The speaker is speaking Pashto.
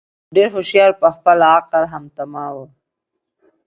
ډېر هوښیار وو په خپل عقل خامتماوو